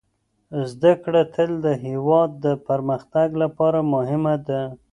زده کړه تل د هېواد د پرمختګ لپاره مهمه ده.